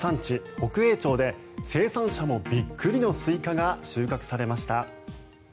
北栄町で生産者もびっくりのスイカが収穫されました。